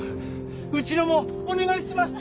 うちのもお願いします！